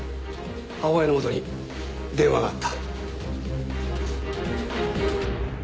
母親のもとに電話があった。